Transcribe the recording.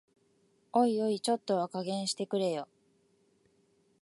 おいおい、ちょっとは加減してくれよ